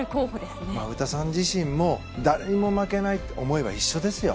詩さん自身も誰にも負けないって思いは一緒ですよ。